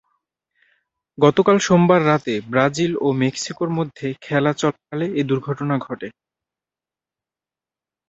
গতকাল সোমবার রাতে ব্রাজিল ও মেক্সিকোর মধ্যে খেলা চলাকালে এ দুর্ঘটনা ঘটে।